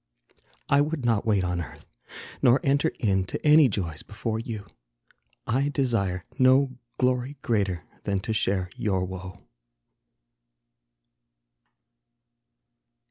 I would not wait on earth, nor enter in To any joys before you. I desire No glory greater than to share your woe.